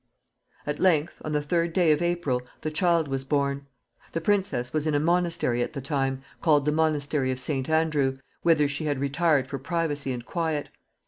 At length, on the third day of April, the child was born. The princess was in a monastery at the time, called the monastery of St. Andrew, whither she had retired for privacy and quiet.